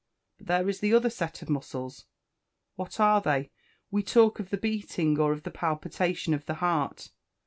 But there is the other set of muscles. What are they? We talk of the beating, or of the palpitation, of the heart.